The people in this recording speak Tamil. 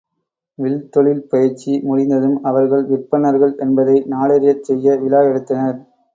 வில் தொழில்பயிற்சி முடிந்ததும் அவர்கள் விற்பன்னர்கள் என்பதை நாடறிச் செய்ய விழா எடுத்தனர்.